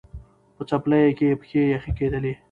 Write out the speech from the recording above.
په څپلیو کي یې پښې یخی کېدلې